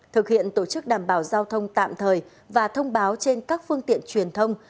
thực hiện tổ chức đảm bảo giao thông tạm thời và thông báo trên các phương tiện truyền thông